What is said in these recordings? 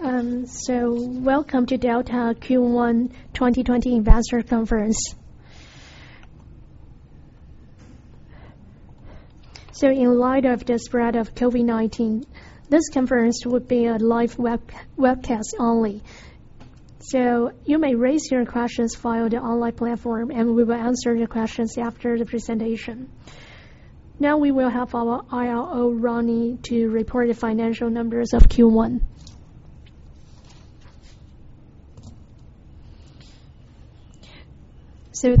Welcome to Delta Q1 2020 Investor Conference. In light of the spread of COVID-19, this conference will be a live webcast only. You may raise your questions via the online platform, and we will answer your questions after the presentation. Now we will have our IRO, Rodney, to report the financial numbers of Q1.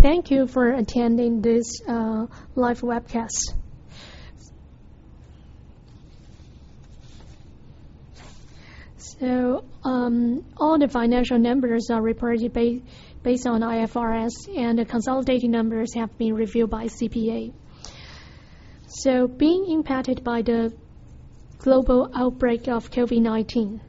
Thank you for attending this live webcast. All the financial numbers are reported based on IFRS, and the consolidating numbers have been reviewed by CPA. Being impacted by the global outbreak of COVID-19,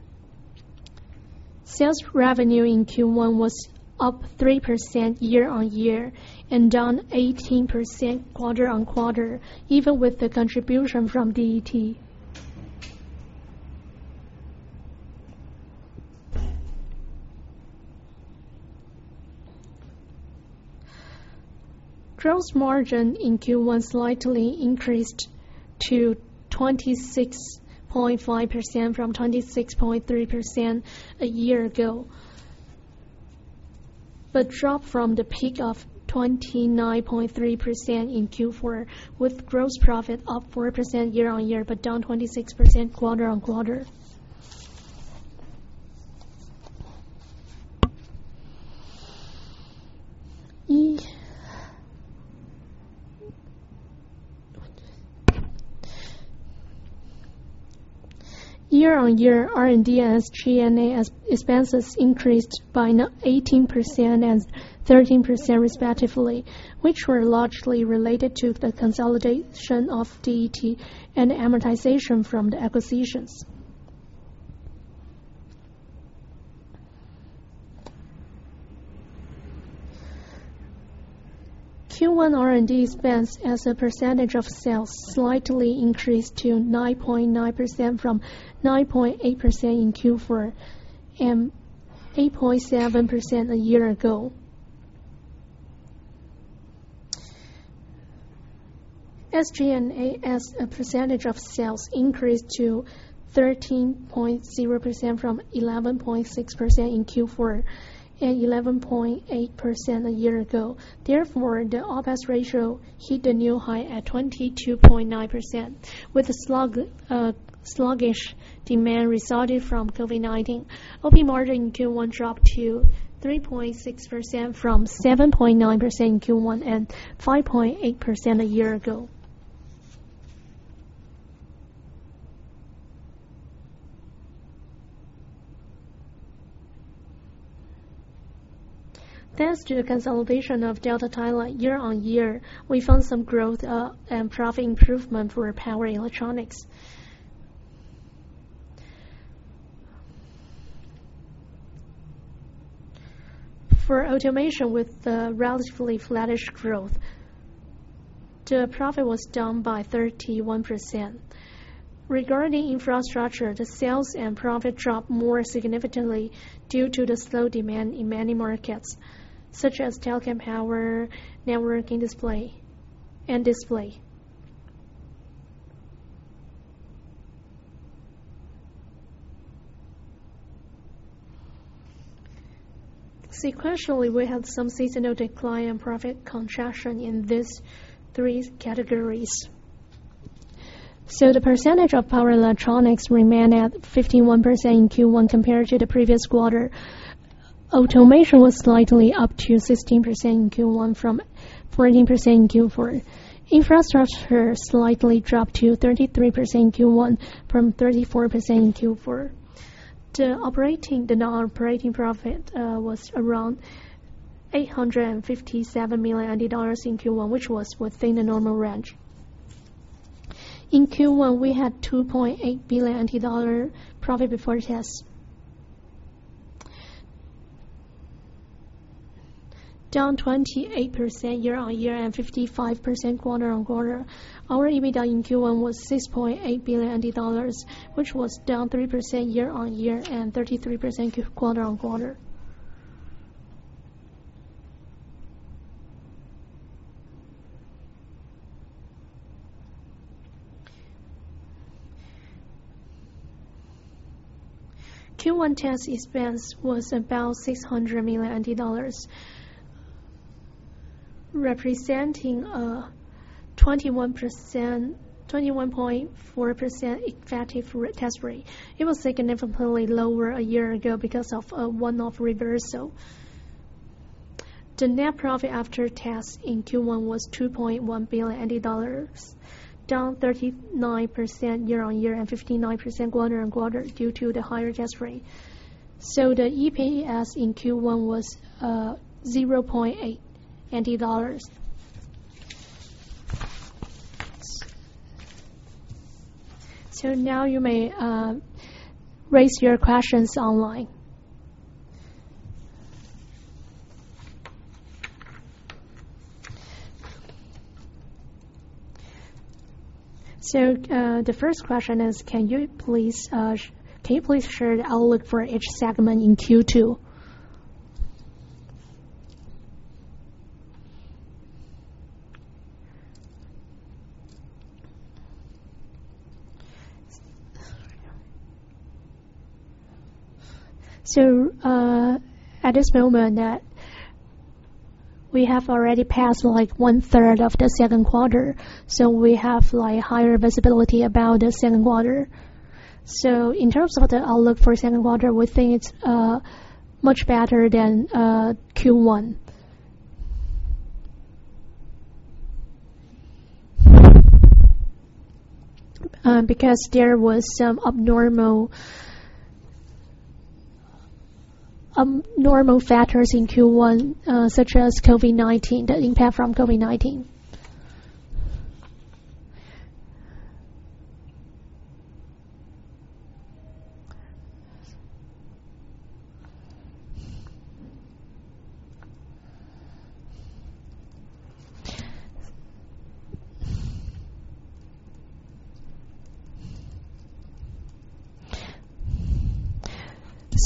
sales revenue in Q1 was up 3% year-on-year and down 18% quarter-on-quarter, even with the contribution from DET. Gross margin in Q1 slightly increased to 26.5% from 26.3% a year ago, but dropped from the peak of 29.3% in Q4, with gross profit up 4% year-on-year but down 26% quarter-on-quarter. Year-on-year, R&D and SG&A expenses increased by 18% and 13% respectively, which were largely related to the consolidation of DET and amortization from the acquisitions. Q1 R&D expense as a percentage of sales slightly increased to 9.9% from 9.8% in Q4 and 8.7% a year ago. SG&A as a percentage of sales increased to 13.0% from 11.6% in Q4 and 11.8% a year ago. Therefore, the OPEX ratio hit the new high at 22.9%, with a sluggish demand resulted from COVID-19. OP margin in Q1 dropped to 3.6% from 7.9% in Q1 and 5.8% a year ago. Thanks to the consolidation of Delta Thailand year-on-year, we found some growth and profit improvement for our power electronics. For Automation with the relatively flattish growth, the profit was down by 31%. Regarding Infrastructure, the sales and profit dropped more significantly due to the slow demand in many markets, such as Telecom Power, networking display, and display. Sequentially, we had some seasonal decline and profit contraction in these three categories. The percentage of power electronics remained at 51% in Q1 compared to the previous quarter. Automation was slightly up to 16% in Q1 from 14% in Q4. Infrastructure slightly dropped to 33% in Q1 from 34% in Q4. The non-operating profit was around 857 million dollars in Q1, which was within the normal range. In Q1, we had 2.8 billion profit before tax. Down 28% year-on-year and 55% quarter-on-quarter. Our EBITDA in Q1 was 6.8 billion dollars, which was down 3% year-on-year and 33% quarter-on-quarter. Q1 tax expense was about TWD 600 million, representing a 21.4% effective tax rate. It was significantly lower a year ago because of a one-off reversal. The net profit after tax in Q1 was 2.1 billion dollars, down 39% year-on-year and 59% quarter-on-quarter due to the higher tax rate. The EPS in Q1 was 0.8 dollars. Now you may raise your questions online. The first question is, can you please share the outlook for each segment in Q2? At this moment, we have already passed one-third of the second quarter, so we have higher visibility about the second quarter. In terms of the outlook for second quarter, we think it's much better than Q1. There was some abnormal factors in Q1, such as the impact from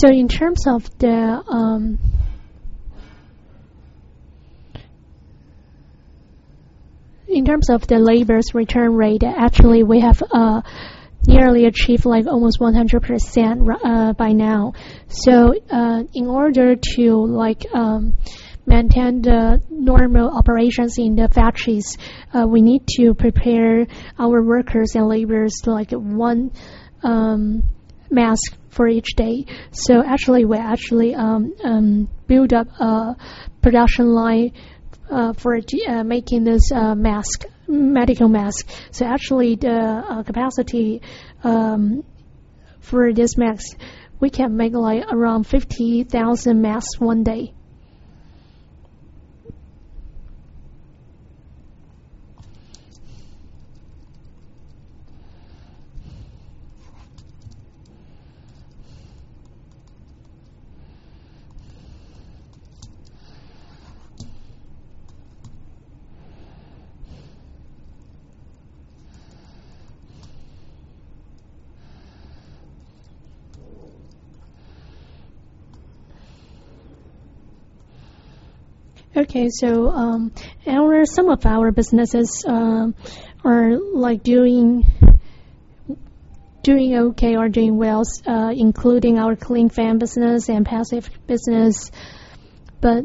COVID-19. In terms of the labor's return rate, actually, we have nearly achieved almost 100% by now. In order to maintain the normal operations in the factories, we need to prepare our workers and laborers one mask for each day. We actually build up a production line for making this medical mask. Actually, the capacity for this mask, we can make around 50,000 masks one day. Some of our businesses are doing okay or doing well, including our cooling fan business and passives business.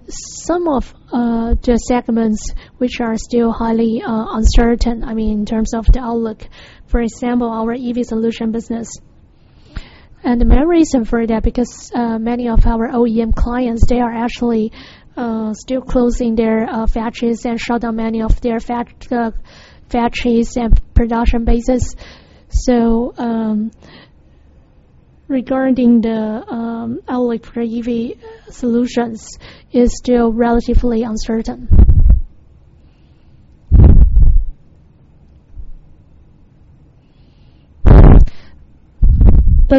Some of the segments which are still highly uncertain, in terms of the outlook, for example, our EV solution business. The main reason for that, because many of our OEM clients, they are actually still closing their factories and shut down many of their factories and production bases. Regarding the outlook for EV solutions, is still relatively uncertain.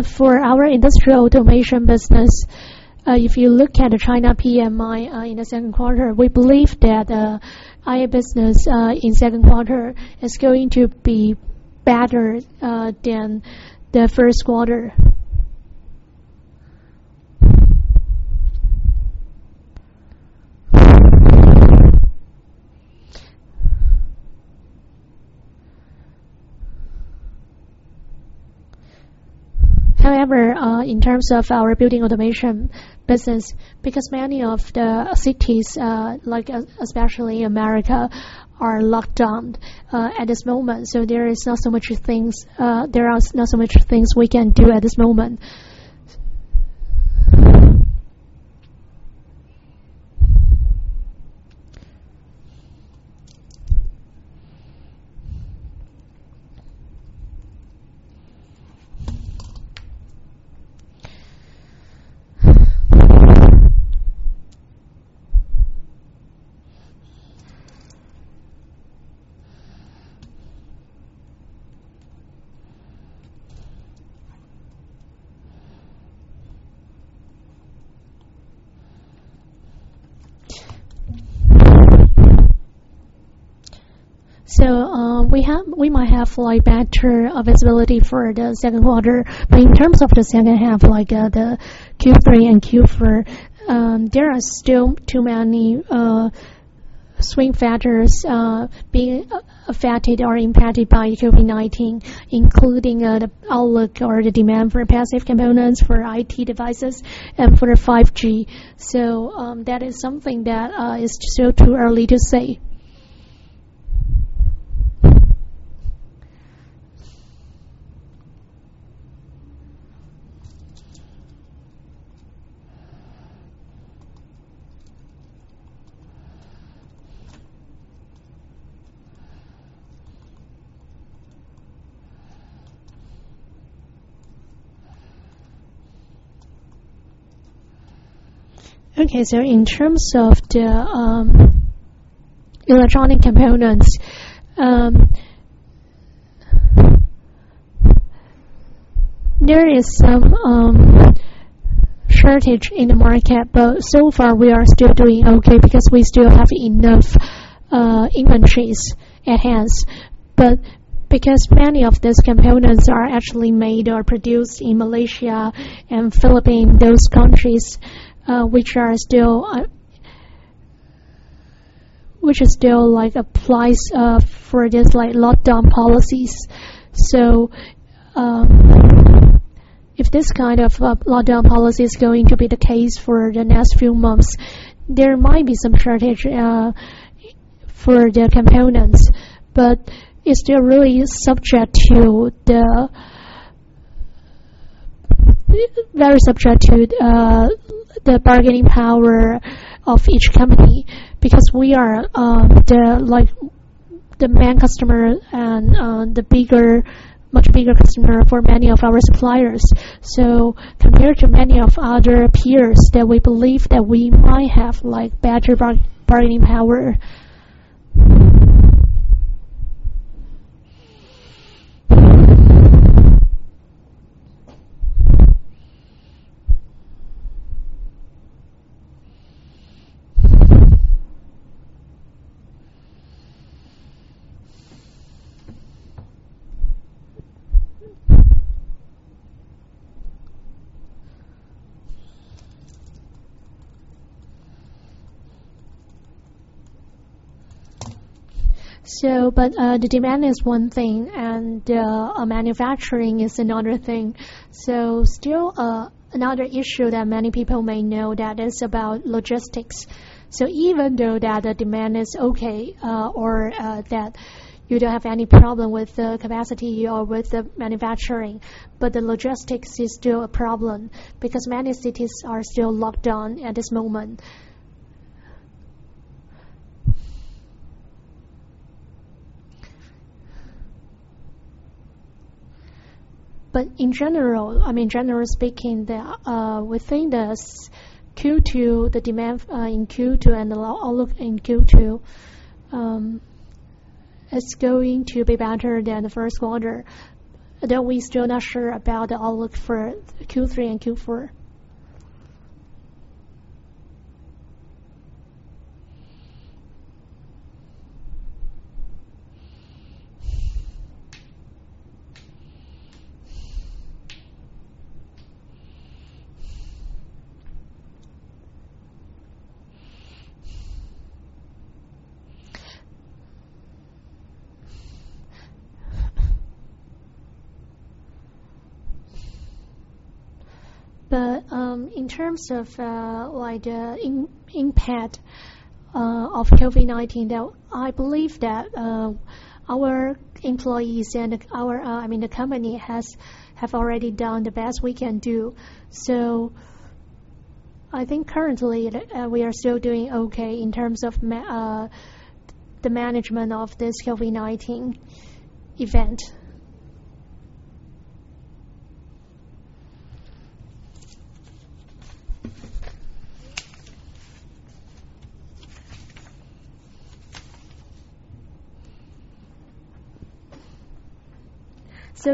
For our Industrial Automation business, if you look at the China PMI in the second quarter, we believe that IA business in second quarter is going to be better than the first quarter. However, in terms of our Building Automation business, because many of the cities, especially America, are locked down at this moment, so there are not so much things we can do at this moment. We might have better visibility for the second quarter, but in terms of the second half, the Q3 and Q4, there are still too many swing factors being affected or impacted by COVID-19, including the outlook or the demand for passive components for IT devices and for the 5G. That is something that is still too early to say. In terms of the electronic components, there is some shortage in the market, but so far we are still doing okay because we still have enough inventories at hand. Because many of these components are actually made or produced in Malaysia and Philippines, those countries which still applies for these lockdown policies. If this kind of lockdown policy is going to be the case for the next few months, there might be some shortage for the components. It's still really very subject to the bargaining power of each company, because we are the main customer and the much bigger customer for many of our suppliers. Compared to many of other peers that we believe that we might have better bargaining power. The demand is one thing, and manufacturing is another thing. Still another issue that many people may know that is about logistics. Even though that the demand is okay, or that you don't have any problem with the capacity or with the manufacturing, but the logistics is still a problem because many cities are still locked down at this moment. Generally speaking, within this Q2, the demand in Q2 and all of Q2 is going to be better than the first quarter, though we're still not sure about the outlook for Q3 and Q4. In terms of the impact of COVID-19, though, I believe that our employees and the company have already done the best we can do. I think currently, we are still doing okay in terms of the management of this COVID-19 event.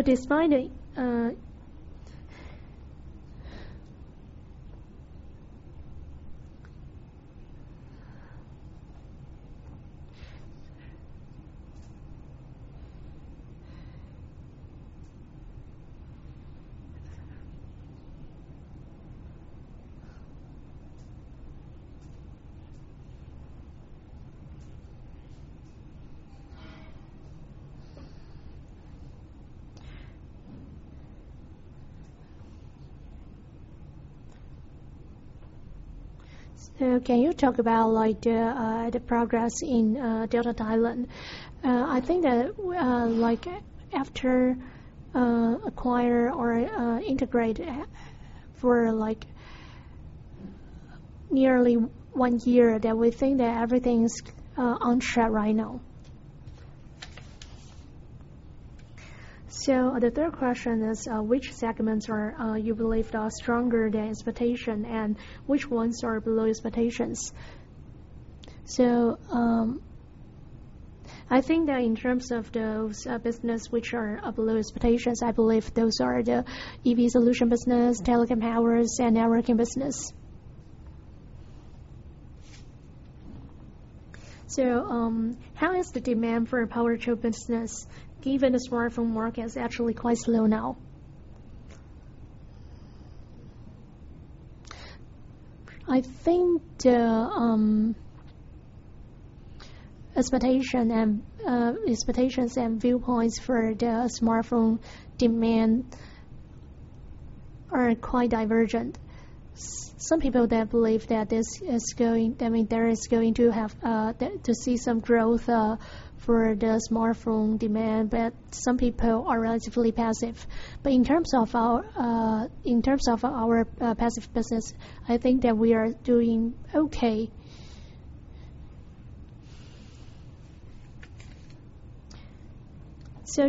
Despite it. Can you talk about the progress in Delta Thailand? I think that after acquire or integrate for nearly one year, that we think that everything's on track right now. The third question is, which segments you believe are stronger than expectation, and which ones are below expectations? I think that in terms of those business which are below expectations, I believe those are the EV solution business, telecom powers, and networking business. How is the demand for power chip business, given the smartphone market is actually quite slow now? I think the expectations and viewpoints for the smartphone demand are quite divergent. Some people there believe that there is going to see some growth for the smartphone demand, but some people are relatively passive. In terms of our passive business, I think that we are doing okay.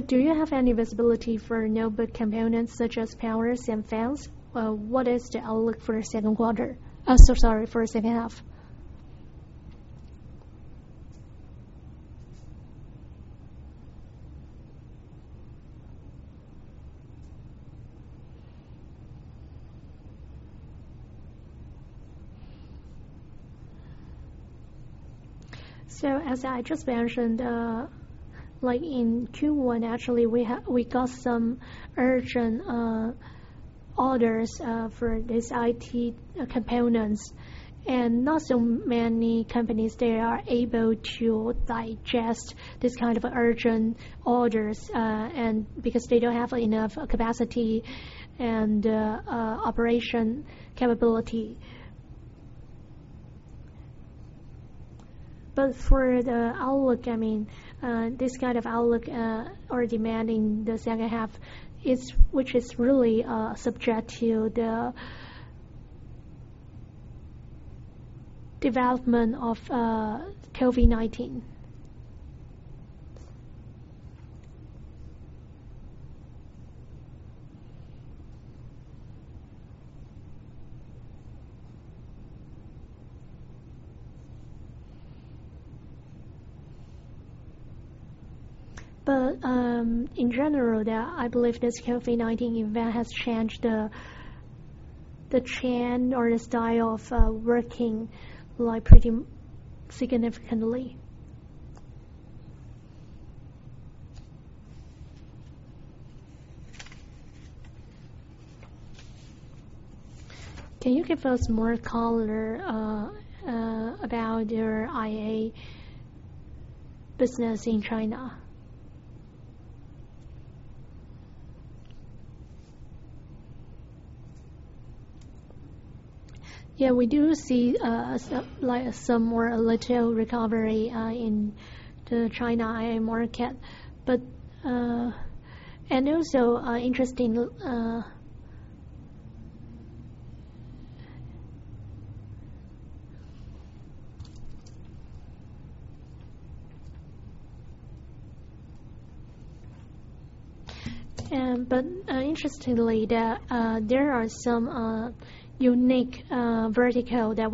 Do you have any visibility for notebook components such as powers and fans? What is the outlook for second half? As I just mentioned, in Q1, actually, we got some urgent orders for these IT components, and not so many companies are able to digest these kind of urgent orders because they don't have enough capacity and operation capability. For the outlook, this kind of outlook or demand in the second half, which is really subject to the development of COVID-19. In general, I believe this COVID-19 event has changed the trend or the style of working pretty significantly. Can you give us more color about your IA business in China? We do see some more retail recovery in the China IA market. Also interesting. Interestingly, there are some unique verticals that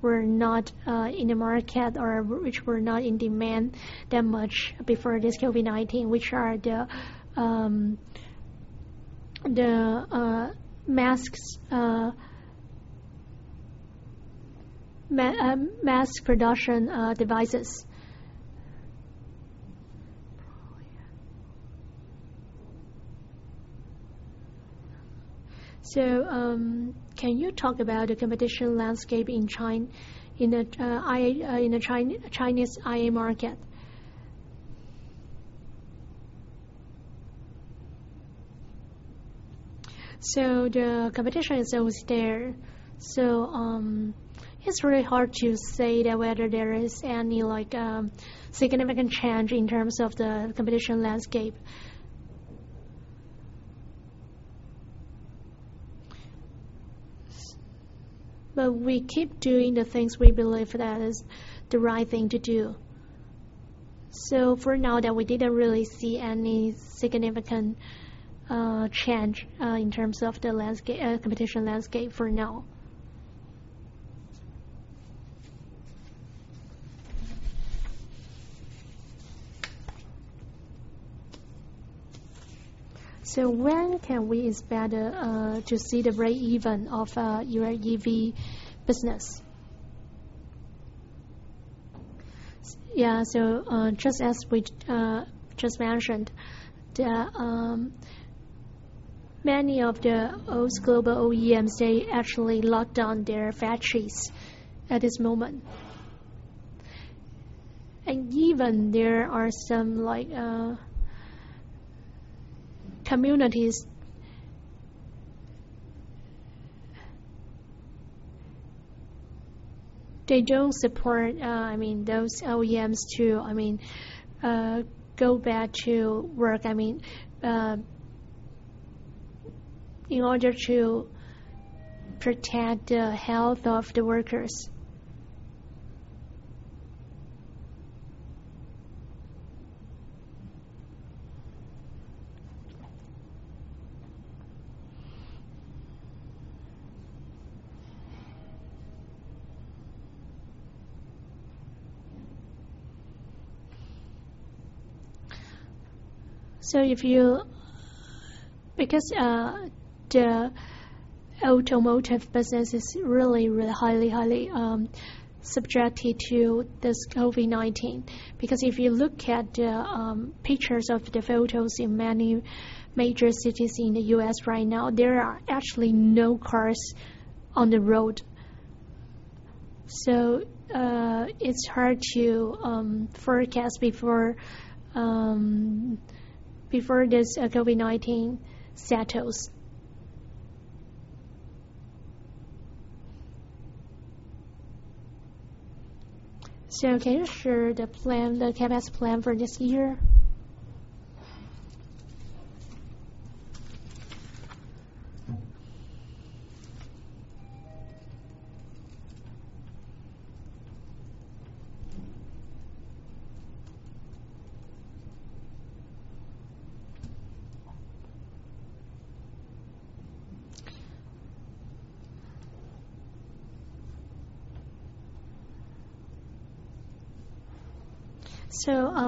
were not in the market or which were not in demand that much before this COVID-19, which are the mask production devices. Can you talk about the competition landscape in the Chinese IA market? The competition is always there, it's really hard to say whether there is any significant change in terms of the competition landscape. We keep doing the things we believe that is the right thing to do. For now, we didn't really see any significant change in terms of the competition landscape for now. When can we expect to see the breakeven of your EV business? Just as we just mentioned, many of those global OEMs, they actually locked down their factories at this moment. Even there are some communities, they don't support those OEMs to go back to work, in order to protect the health of the workers. The automotive business is really highly subjected to this COVID-19, because if you look at the pictures of the photos in many major cities in the U.S. right now, there are actually no cars on the road. It's hard to forecast before this COVID-19 settles. Can you share the CapEx plan for this year?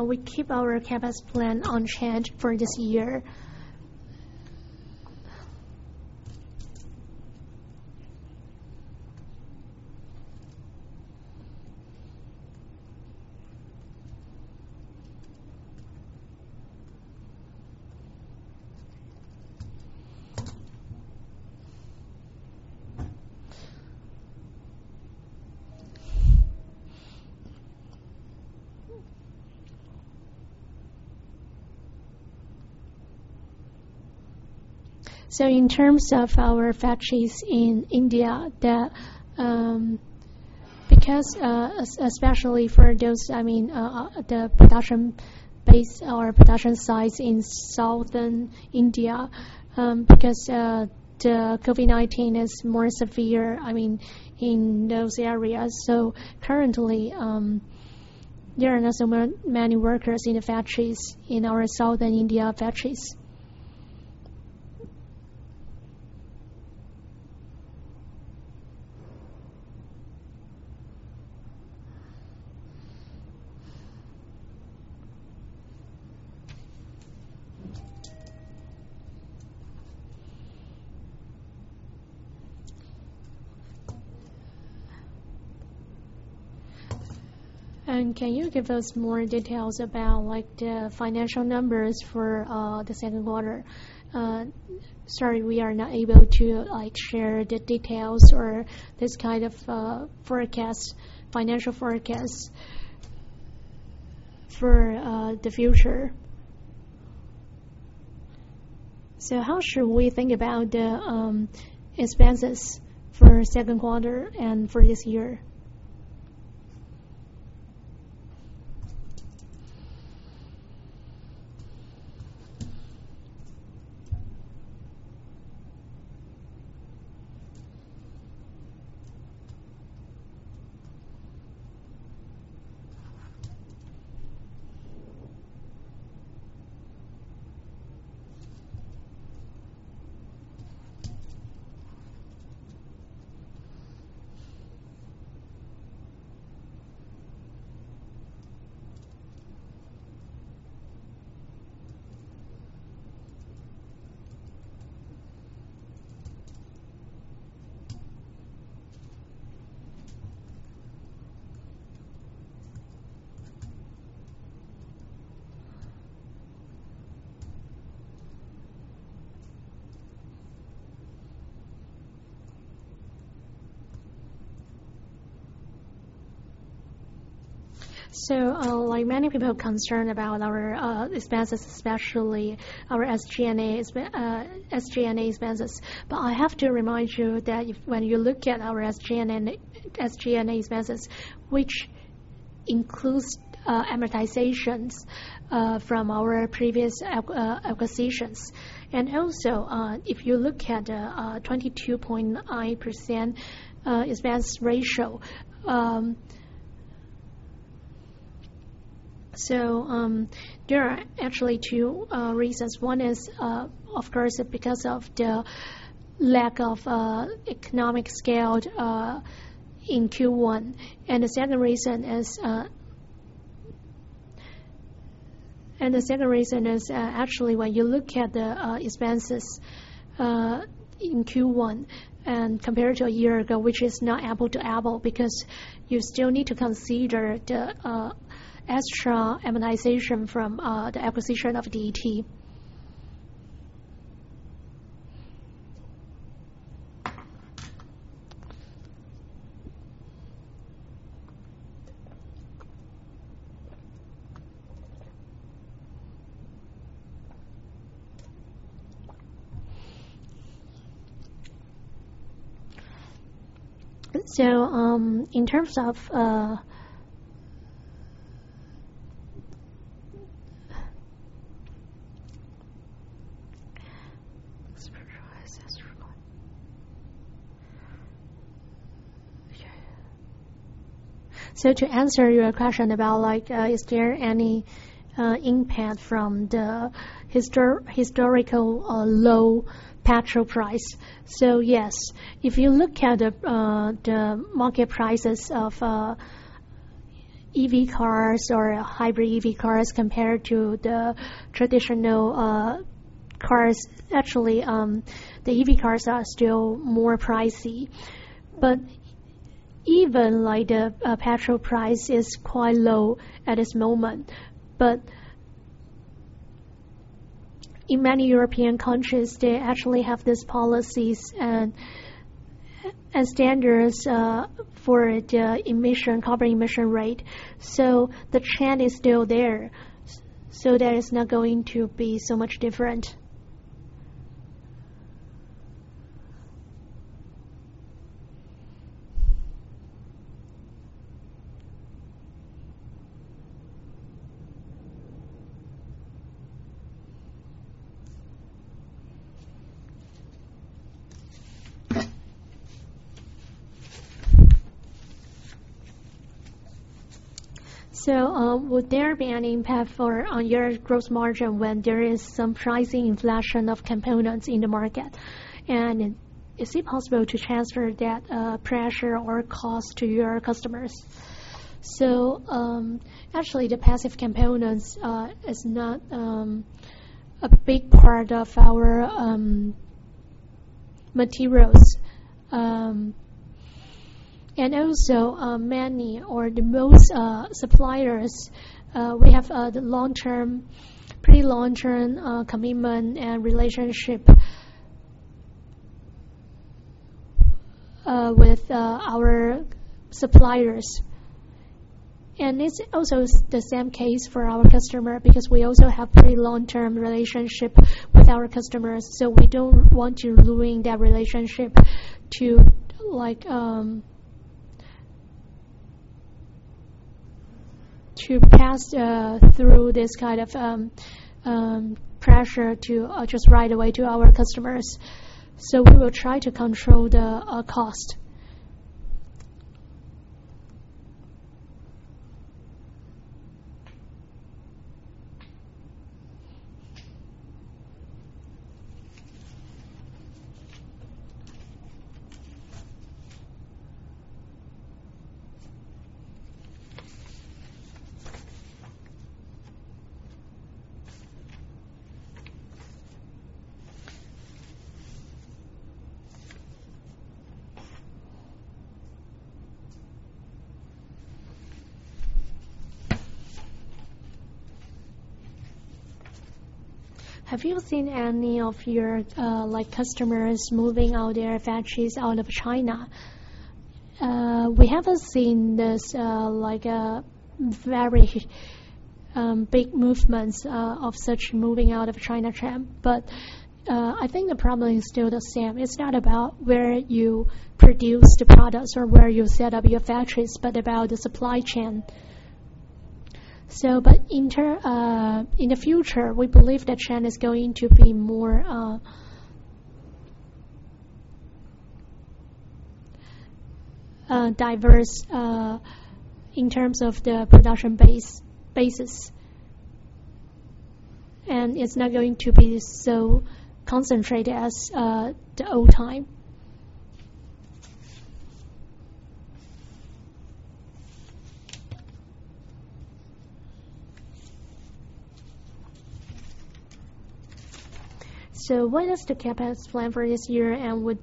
We keep our CapEx plan unchanged for this year. In terms of our factories in India, especially for the production base or production sites in Southern India, because the COVID-19 is more severe in those areas. Currently, there are not so many workers in our factories in Southern India. Can you give us more details about the financial numbers for the second quarter? Sorry, we are not able to share the details or this kind of financial forecast for the future. How should we think about the expenses for the second quarter and for this year? Many people are concerned about our expenses, especially our SG&A expenses. I have to remind you that when you look at our SG&A expenses, which includes amortizations from our previous acquisitions. Also, if you look at the 22.9% expense ratio. There are actually two reasons. One is, of course, because of the lack of economic scale in Q1. The second reason is, actually, when you look at the expenses in Q1 and compare it to a year ago, which is not apple-to-apple, because you still need to consider the extra amortization from the acquisition of DET. To answer your question about is there any impact from the historical low petrol price. Yes, if you look at the market prices of EV cars or hybrid EV cars compared to the traditional cars, actually, the EV cars are still more pricey. Even like the petrol price is quite low at this moment. In many European countries, they actually have these policies and standards for the carbon emission rate. The trend is still there. That is not going to be so much different. Would there be an impact on your gross margin when there is some pricing inflation of components in the market? Is it possible to transfer that pressure or cost to your customers? Actually, the passive components are not a big part of our materials. Also many or most suppliers, we have the pretty long-term commitment and relationship with our suppliers. This also is the same case for our customer, because we also have pretty long-term relationship with our customers. We don't want to ruin that relationship to pass through this kind of pressure just right away to our customers. We will try to control the cost. Have you seen any of your customers moving out their factories out of China? We haven't seen this like a very big movement of such moving out of China trend. I think the problem is still the same. It's not about where you produce the products or where you set up your factories, but about the supply chain. In the future, we believe the trend is going to be more diverse in terms of the production bases. It's not going to be so concentrated as the old time. What is the CapEx plan for this year, and would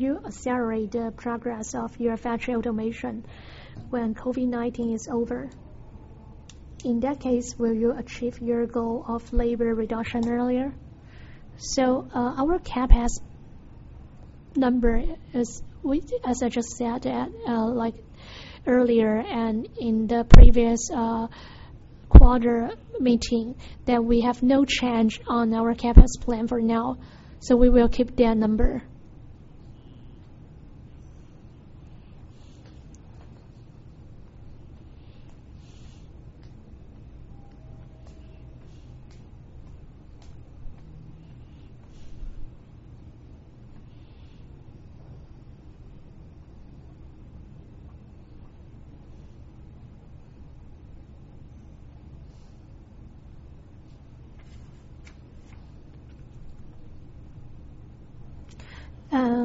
you accelerate the progress of your Factory Automation when COVID-19 is over? In that case, will you achieve your goal of labor reduction earlier? Our CapEx number, as I just said earlier and in the previous quarter meeting, that we have no change on our CapEx plan for now. We will keep that number.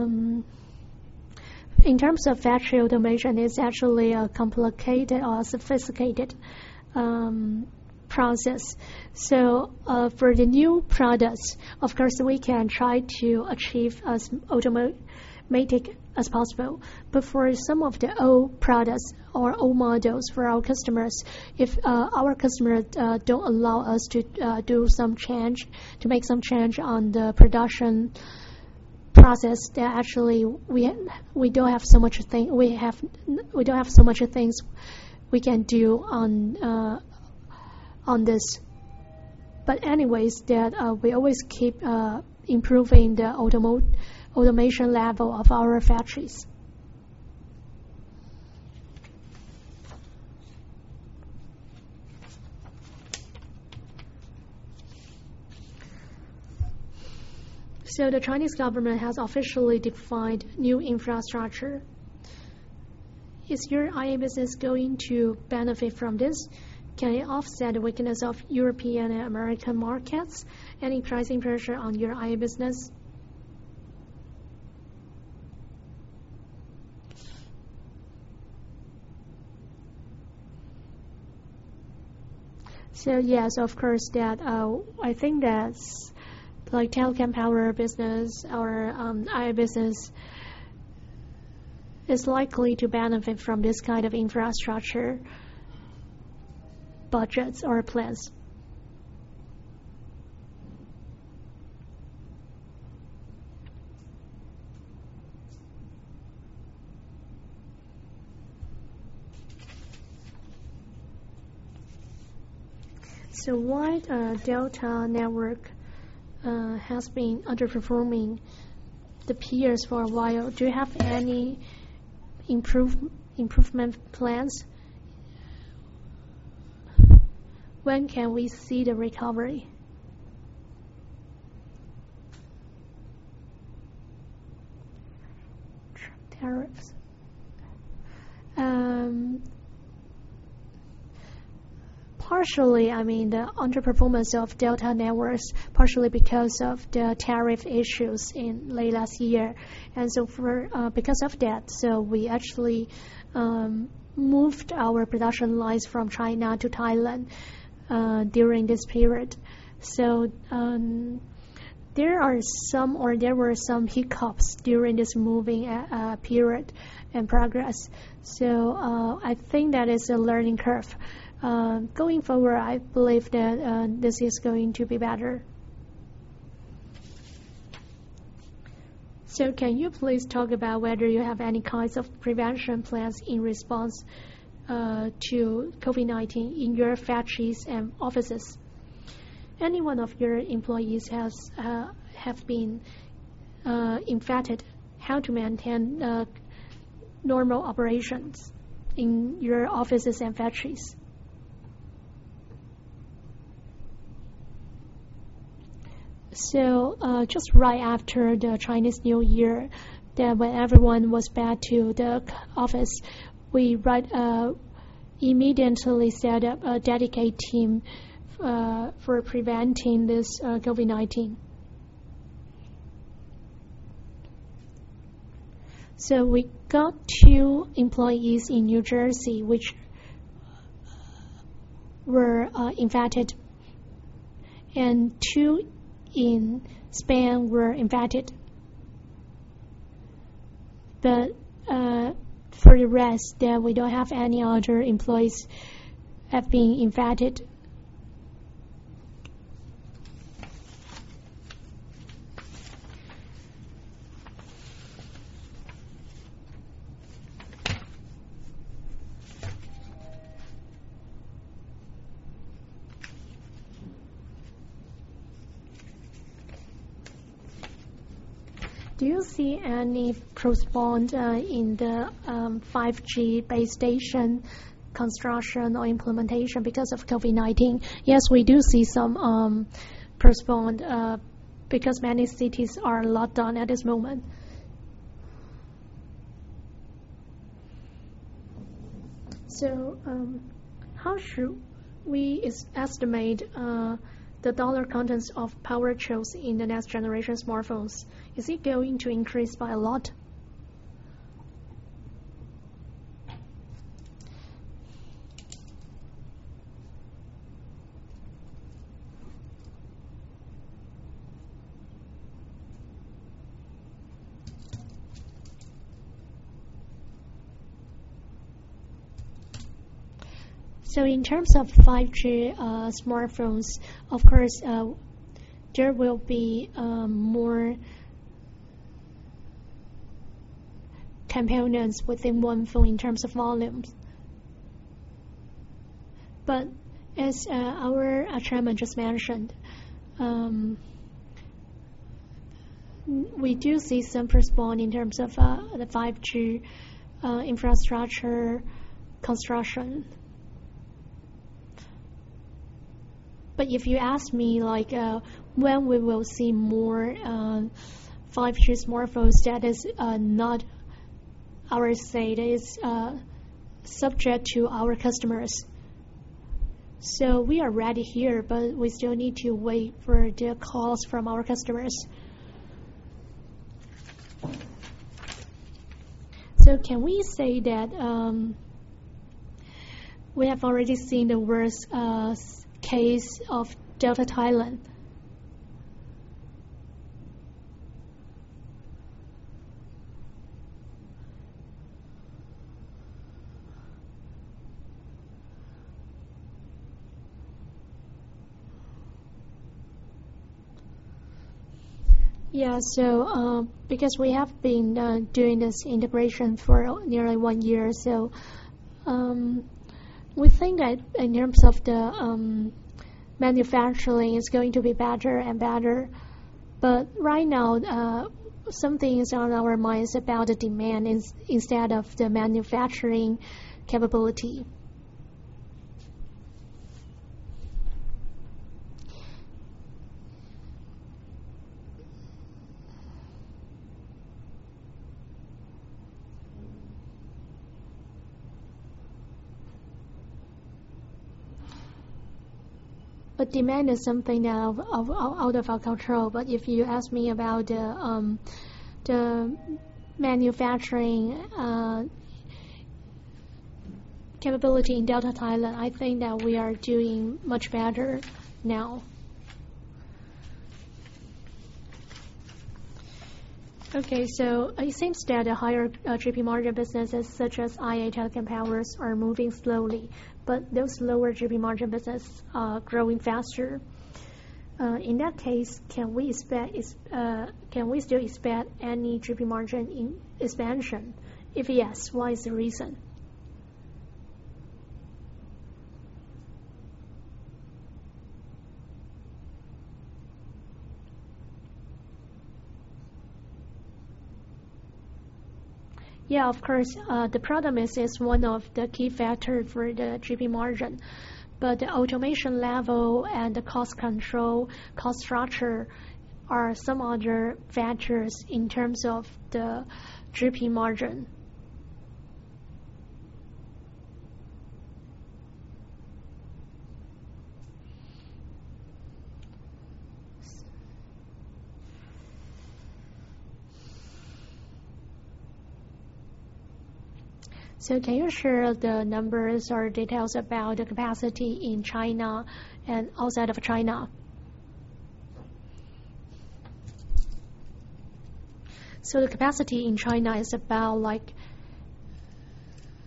In terms of Factory Automation, it's actually a complicated or sophisticated process. For the new products, of course, we can try to achieve as automatic as possible. For some of the old products or old models for our customers, if our customers don't allow us to make some change on the production process, then actually, we don't have so much things we can do on this. Anyways, we always keep improving the automation level of our factories. The Chinese government has officially defined New Infrastructure. Is your IA business going to benefit from this? Can it offset the weakness of European and American markets? Any pricing pressure on your IA business? Yes, of course, I think that's like Telecom Power business or IA business is likely to benefit from this kind of Infrastructure budgets or plans. Why Delta Networks has been underperforming the peers for a while? Do you have any improvement plans? When can we see the recovery? Tariffs. Partially, the underperformance of Delta Networks, partially because of the tariff issues in late last year. Because of that, we actually moved our production lines from China to Thailand during this period. There are some, or there were some hiccups during this moving period and progress. I think that is a learning curve. Going forward, I believe that this is going to be better. Can you please talk about whether you have any kinds of prevention plans in response to COVID-19 in your factories and offices? Any one of your employees have been infected, how to maintain normal operations in your offices and factories? Just right after the Chinese New Year, then when everyone was back to the office, we right away immediately set up a dedicated team for preventing this COVID-19. We got two employees in New Jersey which were infected, and two in Spain were infected. For the rest, we don't have any other employees have been infected. Do you see any postponed in the 5G base station construction or implementation because of COVID-19? Yes, we do see some postponed because many cities are locked down at this moment. How should we estimate the TWD contents of power chips in the next generation smartphones? Is it going to increase by a lot? In terms of 5G smartphones, of course, there will be more components within one phone in terms of volumes. As our chairman just mentioned, we do see some response in terms of the 5G Infrastructure construction. If you ask me, when we will see more 5G smartphones, that is not our say. That is subject to our customers. We are ready here, but we still need to wait for the calls from our customers. Can we say that we have already seen the worst case of Delta Thailand? Yeah, because we have been doing this integration for nearly one year, we think that in terms of the manufacturing, it's going to be better and better. Right now, something is on our minds about the demand instead of the manufacturing capability. Demand is something out of our control. If you ask me about the manufacturing capability in Delta Thailand, I think that we are doing much better now. Okay, it seems that the higher GP margin businesses such as IA, Telecom Power are moving slowly, but those lower GP margin business are growing faster. In that case, can we still expect any GP margin expansion? If yes, why is the reason? Of course. The product mix is one of the key factors for the GP margin, but the automation level and the cost control, cost structure are some other factors in terms of the GP margin. Can you share the numbers or details about the capacity in China and outside of China? The capacity in China is about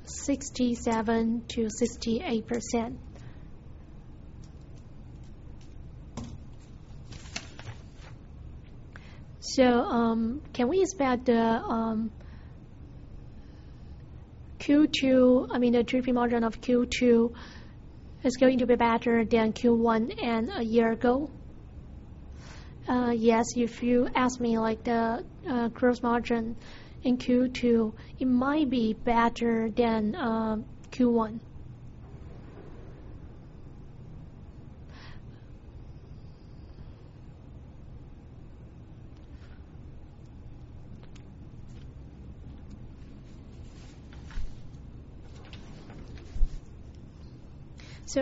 67%-68%. Can we expect the gross margin of Q2 is going to be better than Q1 and a year ago? Yes. If you ask me, the gross margin in Q2, it might be better than Q1.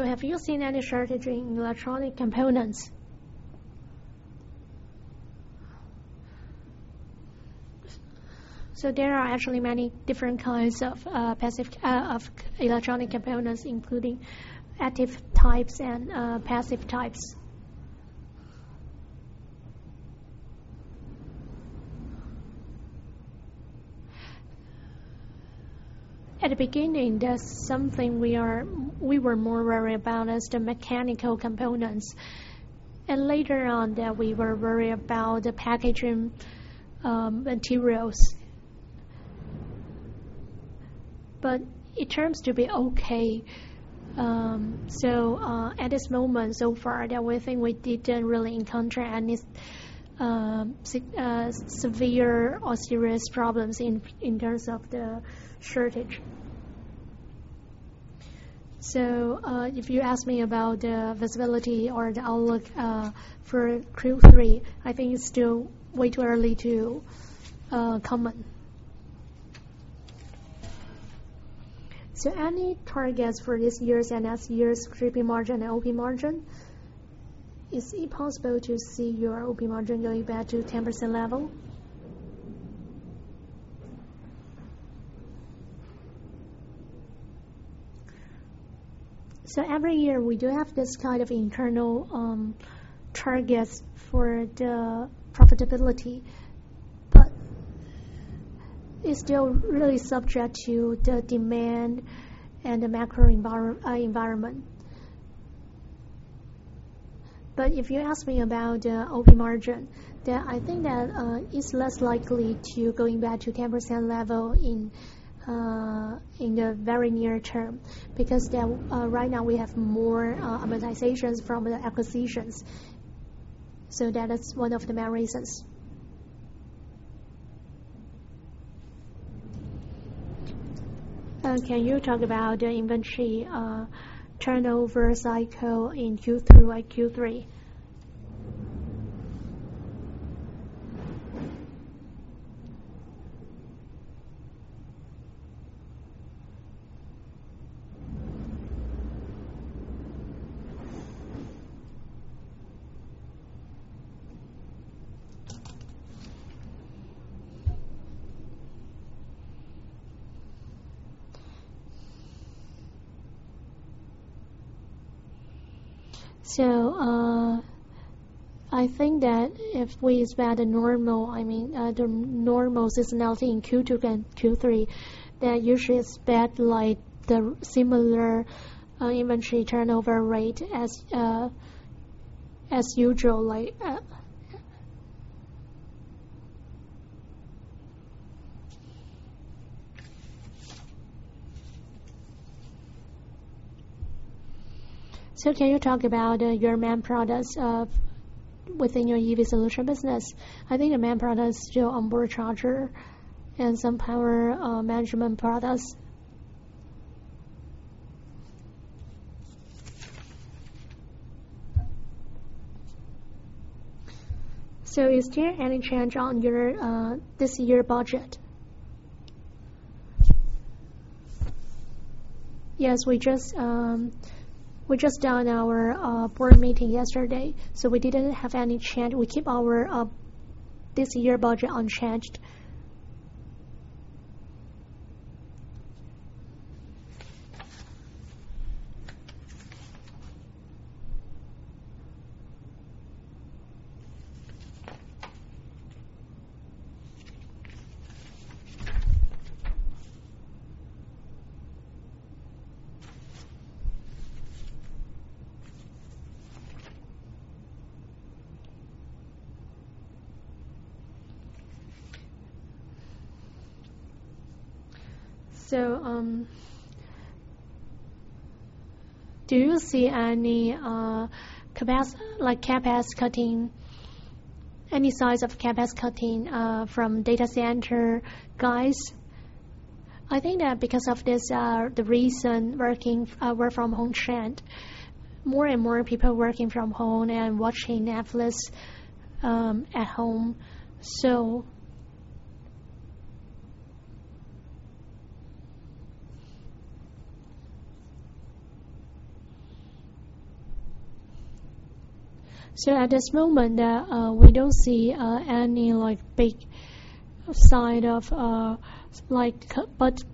Have you seen any shortage in electronic components? There are actually many different kinds of electronic components, including active types and passive types. At the beginning, that's something we were more worried about as the mechanical components. Later on, we were worried about the packaging materials. It seems to be okay. At this moment so far, the only thing we didn't really encounter any severe or serious problems in terms of the shortage. If you ask me about the visibility or the outlook for Q3, I think it's still way too early to comment. Any targets for this year's and next year's gross margin and OP margin? Is it possible to see your OP margin going back to 10% level? Every year, we do have this kind of internal targets for the profitability. It's still really subject to the demand and the macro environment. If you ask me about the OP margin, then I think that it's less likely to going back to 10% level in the very near term, because right now we have more amortizations from the acquisitions. That is one of the main reasons. Can you talk about the inventory turnover cycle in Q2 and Q3? I think that if we expect the normal seasonality in Q2 and Q3, usually expect the similar inventory turnover rate as usual. Can you talk about your main products within your EV solution business? I think the main product is still Onboard Charger and some power management products. Is there any change on this year's budget? Yes, we just done our board meeting yesterday, so we didn't have any change. We keep this year's budget unchanged. Do you see any size of CapEx cutting from data center guys? I think that because of this, the recent work from home trend, more and more people working from home and watching Netflix at home, so at this moment, we don't see any big sign of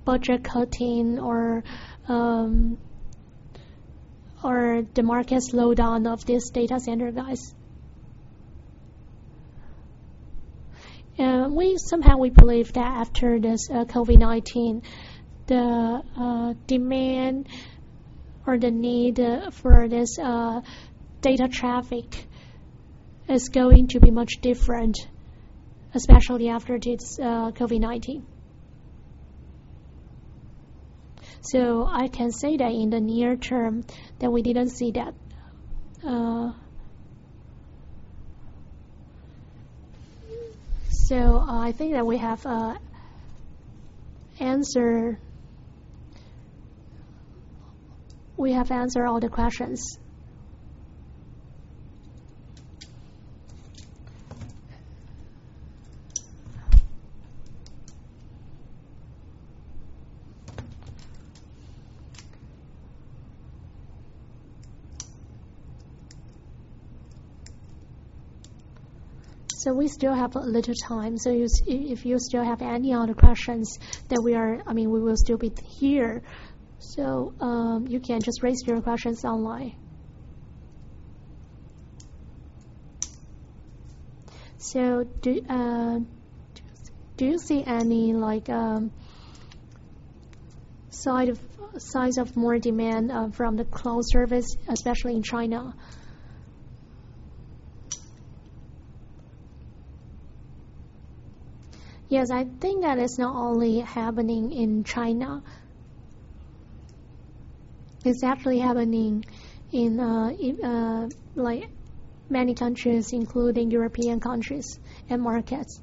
budget cutting or the market slowdown of this data center guys. Somehow we believe that after this COVID-19, the demand or the need for this data traffic is going to be much different, especially after this COVID-19. I can say that in the near term, that we didn't see that. I think that we have answered all the questions. We still have a little time, so if you still have any other questions, we will still be here. You can just raise your questions online. Do you see any signs of more demand from the cloud service, especially in China? Yes, I think that is not only happening in China. It is actually happening in many countries, including European countries and markets.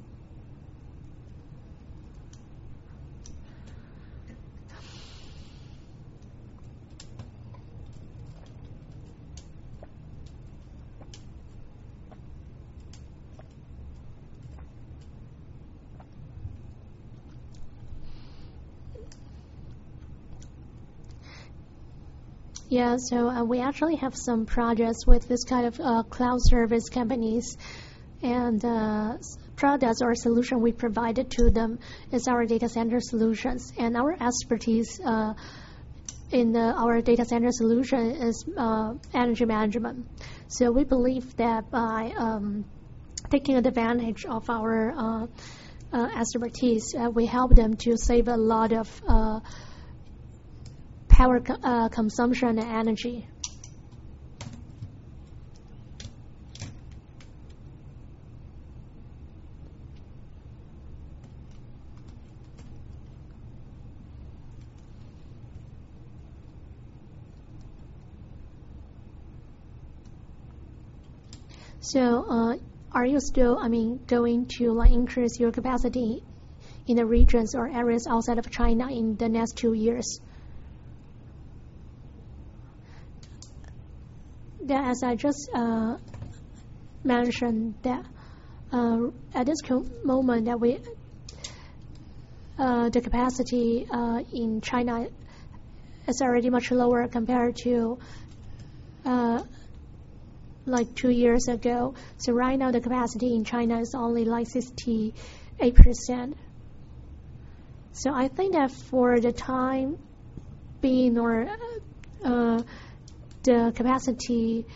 We actually have some projects with this kind of cloud service companies, and the product or solution we provided to them is our data center solutions. Our expertise in our data center solution is energy management. We believe that by taking advantage of our expertise, we help them to save a lot of power consumption energy. Are you still going to increase your capacity in the regions or areas outside of China in the next two years? As I just mentioned, at this moment, the capacity in China is already much lower compared to two years ago. Right now the capacity in China is only 68%. I think that for the time being, the capacity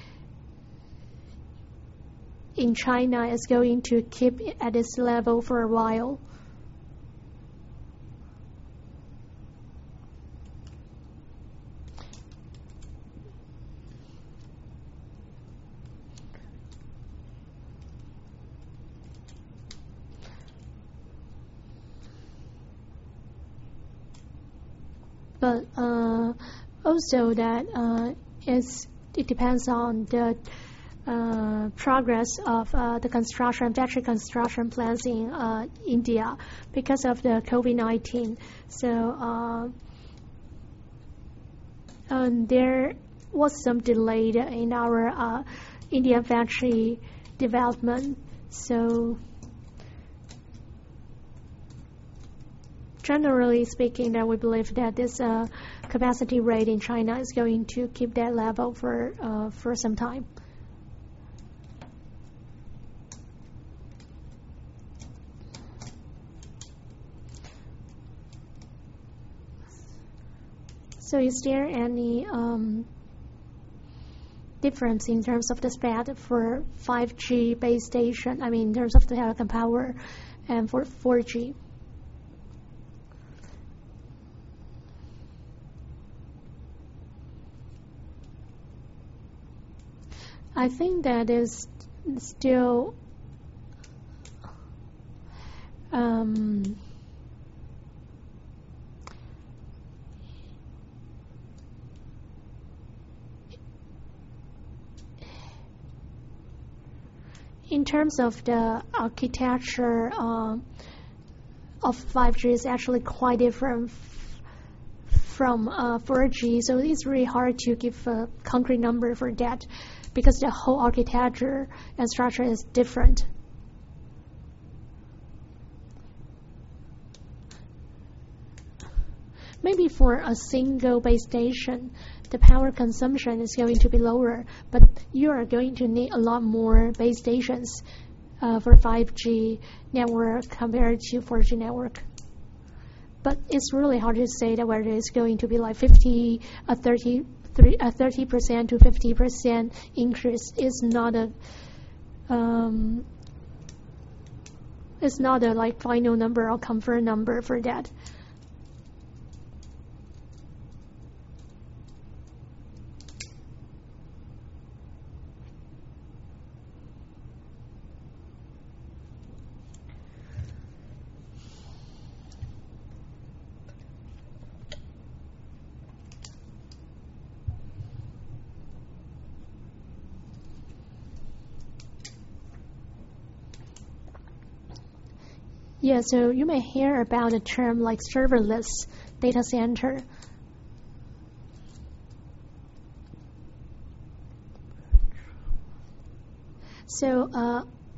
in China is going to keep at this level for a while. Also it depends on the progress of the factory construction plans in India because of the COVID-19. There was some delay in our India factory development. Generally speaking, we believe that this capacity rate in China is going to keep that level for some time. Is there any difference in terms of the spec for 5G base station, in terms of the health and power, and for 4G? I think that in terms of the architecture of 5G is actually quite different From 4G. It is really hard to give a concrete number for that because the whole architecture and structure is different. Maybe for a single base station, the power consumption is going to be lower, but you are going to need a lot more base stations for 5G network compared to 4G network. It is really hard to say that whether it is going to be 30%-50% increase. It is not a final number or confirm number for that. You may hear about a term like serverless data center.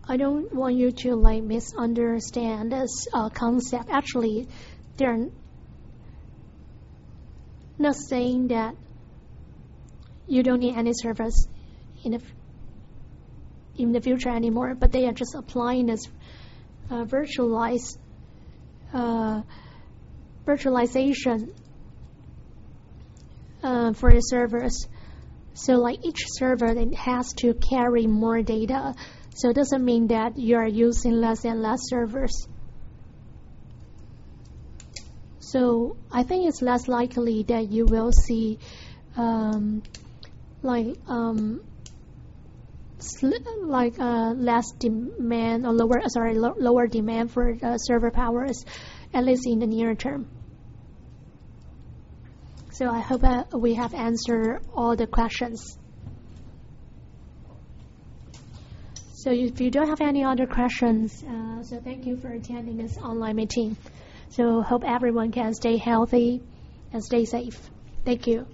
I don't want you to misunderstand this concept. Actually, they are not saying that you don't need any servers in the future anymore, but they are just applying this virtualization for the servers. Each server then has to carry more data, so it doesn't mean that you are using less and less servers. I think it is less likely that you will see lower demand for server powers, at least in the near term. I hope that we have answered all the questions. If you don't have any other questions, thank you for attending this online meeting. Hope everyone can stay healthy and stay safe. Thank you.